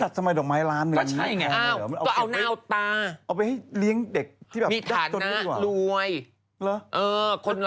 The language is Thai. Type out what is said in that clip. จัดสมัยดอกไม้ล้านหนึ่งนี่แพงเหรอ